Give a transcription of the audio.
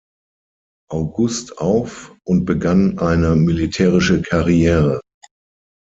August auf und begann eine militärische Karriere.